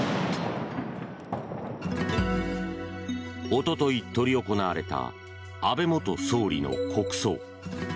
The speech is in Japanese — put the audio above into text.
おととい執り行われた安倍元総理の国葬。